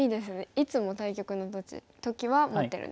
いつも対局の時は持ってるんですか？